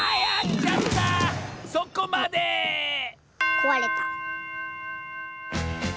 こわれた。